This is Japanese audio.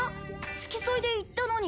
付き添いで行ったのに。